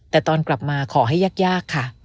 แต่ตอนกลับมาขอให้ยากค่ะ